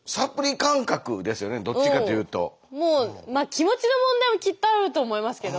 気持ちの問題もきっとあると思いますけど。